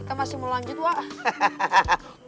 kita masih mau lanjut wah